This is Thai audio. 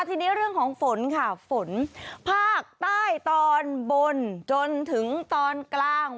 ทีนี้เรื่องของฝนค่ะฝนภาคใต้ตอนบนจนถึงตอนกลาง